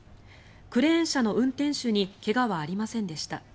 クレーン車の運転手に怪我はありませんでした。